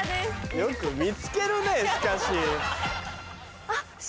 よく見つけるねしかし。